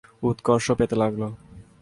উৎকর্ষ পেতে লাগল।